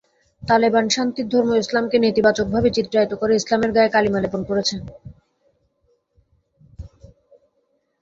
তালেবান শান্তির ধর্ম ইসলামকে নেতিবাচকভাবে চিত্রায়িত করে ইসলামের গায়ে কালিমা লেপন করছে।